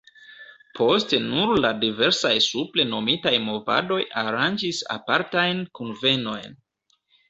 Poste nur la diversaj supre nomitaj movadoj aranĝis apartajn kunvenojn.